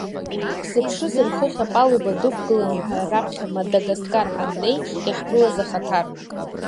Сыԥшызар, хыхь апалуба дықәгылан ҳара раԥхьа Мадагаскар ҳаннеи иаҳԥылаз ахаҭарнак.